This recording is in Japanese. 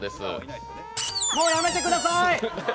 もうやめてください。